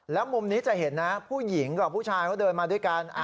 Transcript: แล้วมุมนี้จะเห็นนะผู้หญิงกับผู้ชายเขาเดินมาด้วยกัน